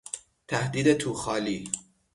تهدید تو خالی